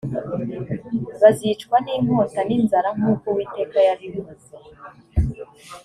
bazicwa n’inkota n’inzara nk’uko uwiteka yabivuze